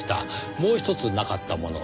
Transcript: もうひとつなかったもの